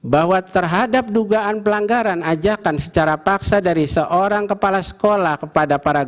bahwa terhadap dugaan pelanggaran ajakan secara paksa dari seorang kepala sekolah kepada para guru